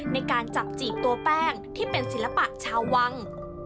ในการจับจีบตัวแป้งที่เป็นศิลปะชาววัง